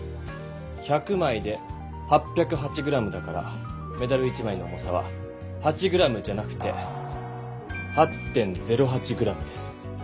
１００枚で８０８ｇだからメダル１枚の重さは８ｇじゃなくて８．０８ｇです。